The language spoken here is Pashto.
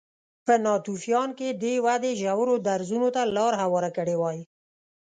په ناتوفیان کې دې ودې ژورو درزونو ته لار هواره کړې وای